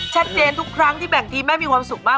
ทุกครั้งที่แบ่งทีมแม่มีความสุขมาก